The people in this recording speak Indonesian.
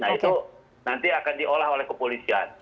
nah itu nanti akan diolah oleh kepolisian